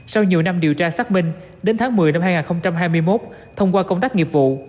sau nhiều năm điều tra xác minh đến tháng một mươi năm hai nghìn hai mươi một thông qua công tác nghiệp vụ